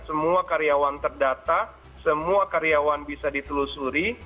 semua karyawan terdata semua karyawan bisa ditelusuri